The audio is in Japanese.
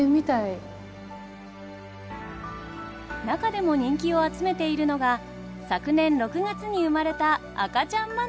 中でも人気を集めているのが昨年６月に生まれた赤ちゃんマナティー。